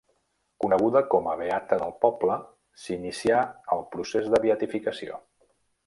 Coneguda com a beata pel poble, se n'inicià el procés de beatificació.